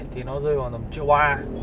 thì nó rơi khoảng tầm triệu ba